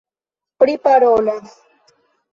priparolas